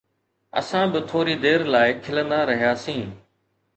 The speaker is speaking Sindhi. اسان به ٿوري دير لاءِ کلندا رهياسين